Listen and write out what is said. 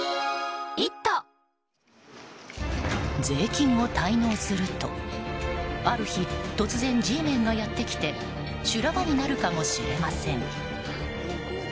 税金を滞納するとある日、突然Ｇメンがやってきて修羅場になるかもしれません。